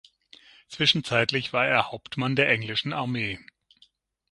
Zwischenzeitlich war er Hauptmann der englischen Armee.